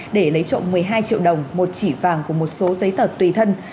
để lấy trộm một mươi hai triệu đồng một chỉ vàng của một số giấy tờ tùy thân